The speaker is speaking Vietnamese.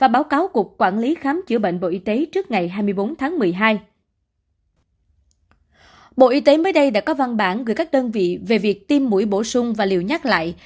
bộ y tế mới đây đã có văn bản gửi các đơn vị về việc tiêm mũi bổ sung và liệu nhắc lại